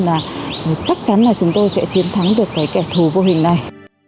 là chắc chắn là chúng tôi sẽ chiến thắng được cái kẻ thù vô hình này